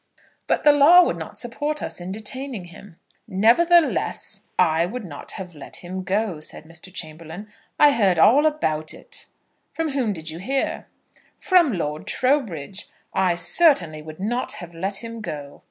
"But the law would not support us in detaining him." "Nevertheless, I would not have let him go," said Mr. Chamberlaine. "I heard all about it." "From whom did you hear?" "From Lord Trowbridge. I certainly would not have let him go."